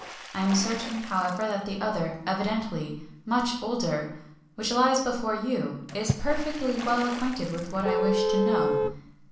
I am certain, however, that the other, evidently much older, which lies before you, is perfectly well acquainted with what I wish to know."